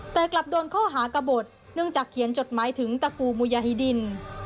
แต่กลับโดนข้อหากระบดเนื่องจากเขียนจดหมายถึงตะปูมูยาฮิดิน